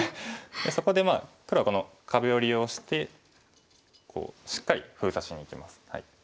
そこで黒はこの壁を利用してしっかり封鎖しにいきます。